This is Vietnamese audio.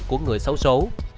của người xấu xố